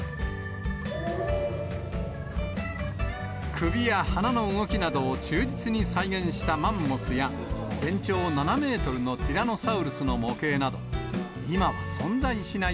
首や鼻の動きなどを忠実に再現したマンモスや、全長７メートルのティラノサウルスの模型など、今は存在しない